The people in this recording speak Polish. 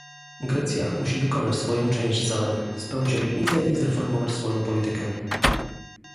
Grecja musi wykonać swoją część zadań, spełnić obietnice i zreformować swoją politykę